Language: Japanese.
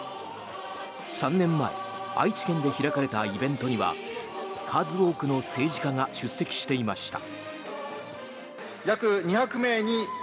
３年前愛知県で開かれたイベントには数多くの政治家が出席していました。